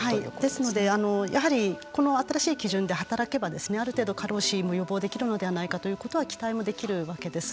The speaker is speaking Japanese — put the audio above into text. ですのでやはりこの新しい基準で働けばある程度過労死も予防できるのではないかということは期待もできるわけです。